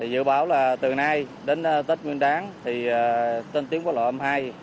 dự báo là từ nay đến tết nguyên đáng tên tiếng quốc lộ m hai